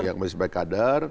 ya kembali sebagai kader